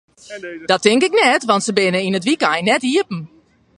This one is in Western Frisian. Dat tink ik net, want se binne yn it wykein net iepen.